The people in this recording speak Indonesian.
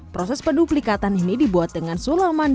proses penduplikatan ini dibuat dengan sulaman dari edward thiel